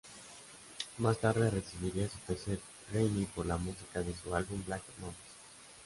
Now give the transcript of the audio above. Más tarde recibiría su tercer Grammy por la música de su álbum Black Moses.